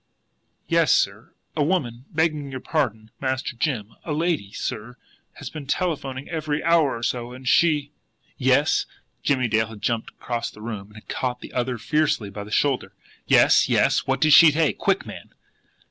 "Yes, sir. A woman, begging your pardon, Master Jim, a lady, sir, has been telephoning every hour or so, and she " "YES!" Jimmie Dale had jumped across the room and had caught the other fiercely by the shoulder. "Yes yes! What did she say? QUICK, man!"